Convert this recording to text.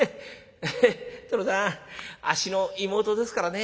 殿さんあっしの妹ですからね